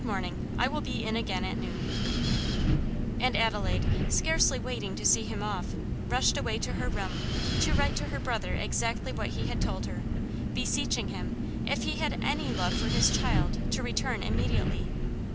Good morning. I will be in again at noon." And Adelaide, scarcely waiting to see him off, rushed away to her room to write to her brother exactly what he had told her, beseeching him, if he had any love for his child, to return immediately.